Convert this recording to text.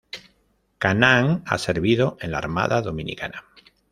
Canaán ha servido en la Armada Dominicana.